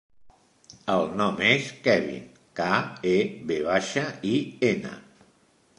El nom és Kevin: ca, e, ve baixa, i, ena.